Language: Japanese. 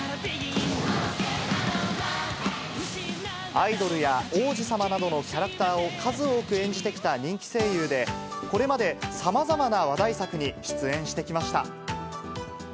アイドルや王子様などのキャラクターを数多く演じてきた人気声優で、これまでさまざまな話題作に出演してきました。